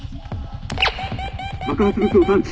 爆発物を探知。